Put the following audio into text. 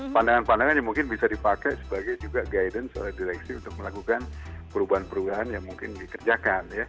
pandangan pandangan yang mungkin bisa dipakai sebagai juga guidance oleh direksi untuk melakukan perubahan perubahan yang mungkin dikerjakan